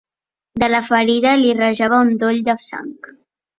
De la ferida li rajava un doll de sang.